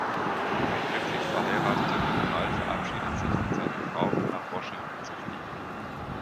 Ein glücklich verheirateter General verabschiedet sich von seiner Frau, um nach Washington zu fliegen.